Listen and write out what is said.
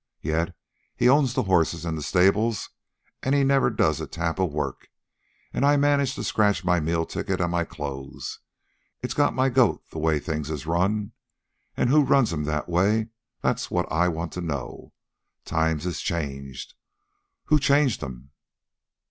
Yet he owns the horses an' the stables, an' never does a tap of work, an' I manage to scratch my meal ticket an' my clothes. It's got my goat the way things is run. An' who runs 'em that way? That's what I want to know. Times has changed. Who changed 'em?"